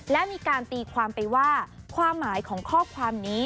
และมีการตีความไปว่าความหมายของข้อความนี้